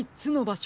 しょ